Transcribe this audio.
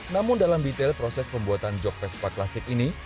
namun dalam detail proses pembuatan jog vespa klasik ini